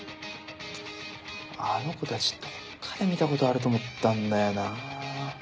あの子たちどっかで見たことあると思ったんだよな。